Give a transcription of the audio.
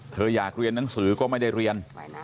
อยากเรียนหนังสือก็ไม่ได้เรียน